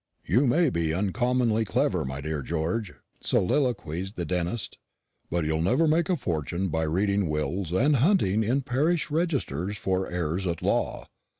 "You may be uncommonly clever, my dear George," soliloquised the dentist, "but you'll never make a fortune by reading wills and hunting in parish registers for heirs at law.